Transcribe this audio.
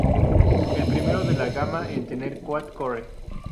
El primero de la gama en tener quad-core.